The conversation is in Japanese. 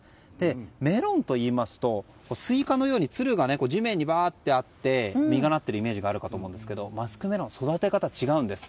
メロンといいますとスイカのようにつるが地面にばーっとあって実がなっているイメージがあると思いますがマスクメロン、育て方が違うんです。